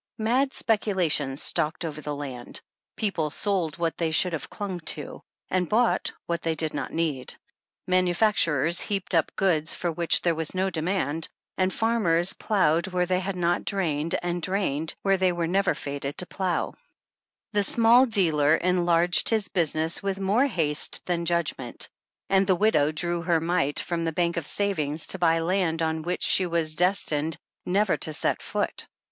Mad speculation stalked over the land. People sold what they should have clung to, and bought what they did not need. Manufacturers heaped up goods for which there was no demand, and farmers ploughed where they had not drained and drained, where they were never fated to plough. The small (dealer enlarged his business with more haste than judgment, and the widow drew her mite from the bank of savings to buy land on which she was des tined never to set foot.